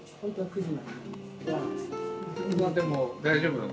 でも大丈夫なの？